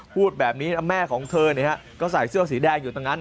พูดแบบนี้แม่ของเธอก็ใส่เสื้อสีแดงอยู่ตรงนั้น